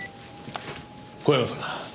小山さん。